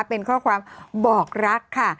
เป็นข้อความบอกรักค่ะ